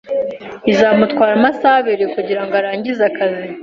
Bizamutwara amasaha abiri kugirango arangize akazi